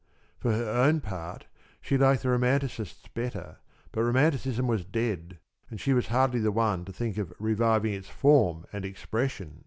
For her own part, she liked the Romanticists better, but Romanticism was dead, and she was hardly the one to think of reviving its form and expression!